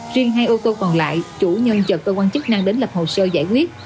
riêng hai ô tô còn lại chủ nhân chờ cơ quan chức năng đến lập hồ sơ giải quyết